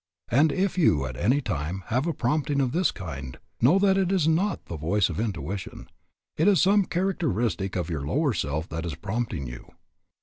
And if you at any time have a prompting of this kind, know that it is not the voice of intuition; it is some characteristic of your lower self that is prompting you.